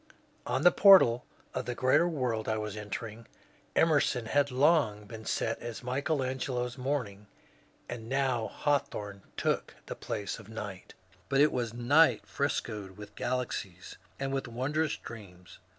On the portal of the greater world I was entering Emerson had long been set as Michael Angelo's ^^ Morning," and now ELawthorne took the place of *^ Night." But it was Night frescoed with galaxies and with wondrous dreams.